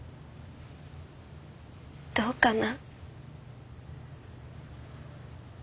どうかな。